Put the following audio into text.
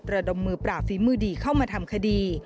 ระดมมือปราบฝีมือดีเข้ามาทำคดี